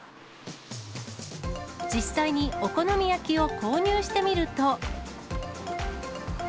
実際にお好み焼きを購入してみると。